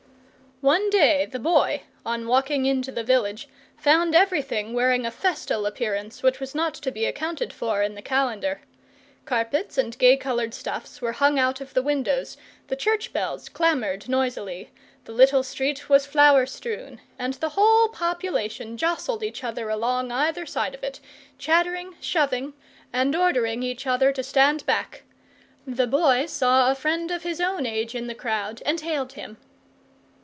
One day the Boy, on walking in to the village, found everything wearing a festal appearance which was not to be accounted for in the calendar. Carpets and gay coloured stuffs were hung out of the windows, the church bells clamoured noisily, the little street was flower strewn, and the whole population jostled each other along either side of it, chattering, shoving, and ordering each other to stand back. The Boy saw a friend of his own age in the crowd and hailed him.